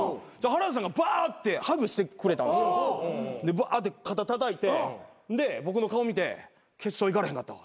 バーって肩たたいてで僕の顔見て「決勝行かれへんかったわ」